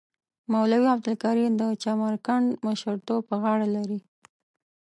مولوی عبدالکریم د چمرکنډ مشرتوب پر غاړه لري.